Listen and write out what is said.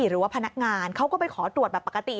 หรือว่าพนักงานเขาก็ไปขอตรวจแบบปกติ